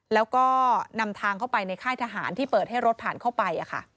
แล้วก็นำทางเข้าไปในค่ายทหารที่เปิดให้รถผ่านเข้าไป